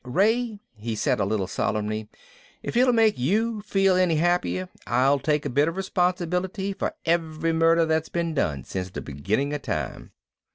"Ray," he said a little solemnly, "if it'll make you feel any happier, I'll take a bit of the responsibility for every murder that's been done since the beginning of time."